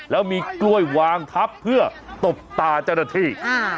แล้วมีกล้วยวางทับเพื่อตบตาเจ้าหน้าที่